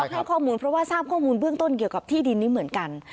ให้ข้อมูลเพราะว่าทราบข้อมูลเบื้องต้นเกี่ยวกับที่ดินนี้เหมือนกัน